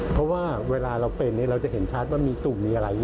เพราะว่าเวลาเราเป็นเราจะเห็นชัดว่ามีตุ่มมีอะไร